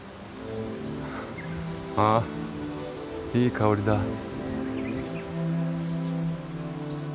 あいい香りだ。